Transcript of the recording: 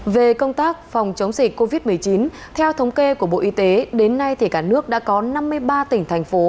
về công tác phòng chống dịch covid một mươi chín theo thống kê của bộ y tế đến nay cả nước đã có năm mươi ba tỉnh thành phố